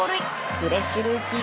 フレッシュルーキー